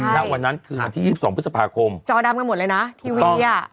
ณวันนั้นคือวันที่๒๒พฤษภาคมจอดำกันหมดเลยนะทีวีอ่ะ